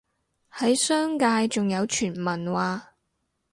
喺商界仲有傳聞話